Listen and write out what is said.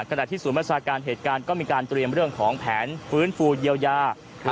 ขณะที่ศูนย์ประชาการเหตุการณ์ก็มีการเตรียมเรื่องของแผนฟื้นฟูเยียวยา